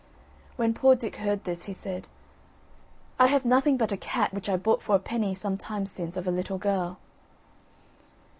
When poor Dick heard this, he said: "I have nothing but a cat which I bought for a penny some time since of a little girl."